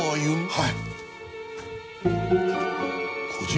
はい！